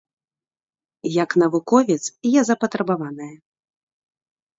Як навуковец я запатрабаваная.